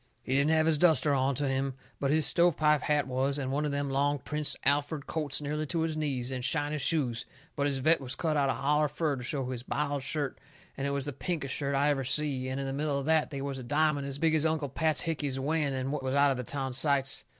He didn't have his duster onto him, but his stove pipe hat was, and one of them long Prince Alferd coats nearly to his knees, and shiny shoes, but his vest was cut out holler fur to show his biled shirt, and it was the pinkest shirt I ever see, and in the middle of that they was a diamond as big as Uncle Pat Hickey's wen, what was one of the town sights.